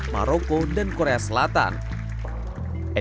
mereka akan mengajarkan